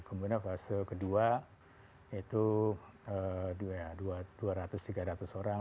kemudian fase kedua itu dua ratus tiga ratus orang